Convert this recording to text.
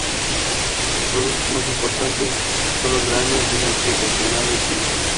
Sus products más importantes son los granos, vino y frutas, ganado y fincas.